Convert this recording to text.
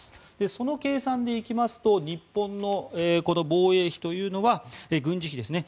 その計算でいきますと日本の防衛費というのは軍事費ですね